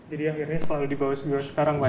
jadi akhirnya selalu dibawa sekarang pak